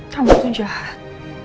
kamu tuh jahat